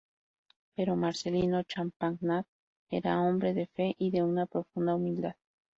Pero Marcelino Champagnat era hombre de fe y de una profunda humildad.